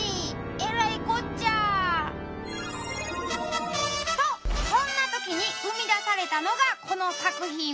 えらいこっちゃ！とそんな時に生み出されたのがこの作品！